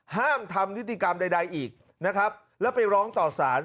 ห้ามทำนิติกรรมใดอีกนะครับแล้วไปร้องต่อสาร